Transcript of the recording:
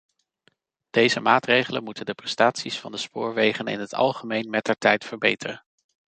Deze maatregelen moeten de prestaties van de spoorwegen in het algemeen mettertijd verbeteren.